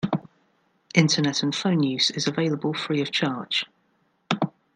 Internet and phone use is available free of charge.